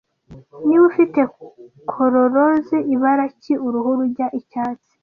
Niba ufite Chlorose ibara ki uruhu rujya Icyatsi